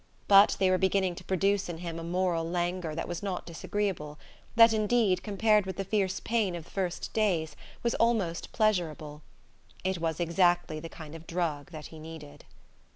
But they were beginning to produce in him a moral languor that was not disagreeable, that, indeed, compared with the fierce pain of the first days, was almost pleasurable. It was exactly the kind of drug that he needed.